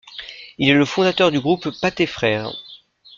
Il est le fondateur du groupe Pathé frères.